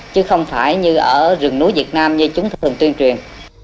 chứ không phải như ở rừng núi việt nam như chúng thường tuyên truyền